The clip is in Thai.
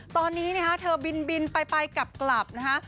ตอนนี้นะคะเธอบินไปกลับนะคะ